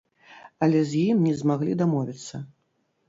Але з ім не змаглі дамовіцца.